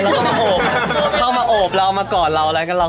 แล้วก็มาโอบเข้ามาโอบเรามาก่อนเราอะไรอย่างเงี้ย